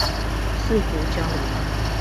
四湖交流道